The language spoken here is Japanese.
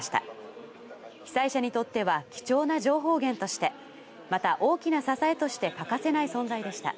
被災者にとっては貴重な情報源としてまた大きな支えとして欠かせない存在でした。